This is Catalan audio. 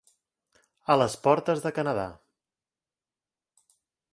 A les portes de Canadà.